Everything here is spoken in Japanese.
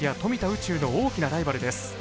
宇宙の大きなライバルです。